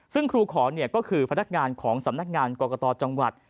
ซึ่งครูขอก็คือพนักงานของสำนักงานกรกตจังหวัด